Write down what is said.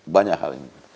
banyak hal ini